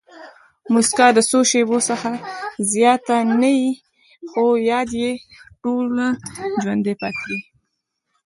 مسکا د څو شېبو څخه زیاته نه يي؛ خو یاد ئې ټوله ژوند پاتېږي.